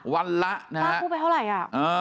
วันละนะฮะคู่ไปเท่าไหร่อ่ะ